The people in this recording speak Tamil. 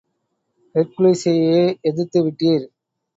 ஹெர்க்குலிஸையே எதிர்த்து விட்டீர்!